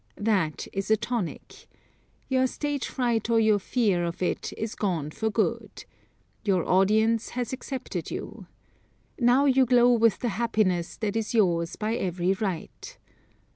That is a tonic. Your stage fright or your fear of it is gone for good. Your audience has accepted you. Now you glow with the happiness that is yours by every right.